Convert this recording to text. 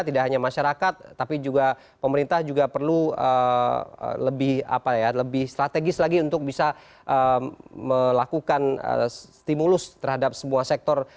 tidak hanya masyarakat tapi juga pemerintah juga perlu lebih strategis lagi untuk bisa melakukan stimulus terhadap sebuah sektor